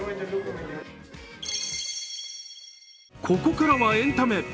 ここからはエンタメ。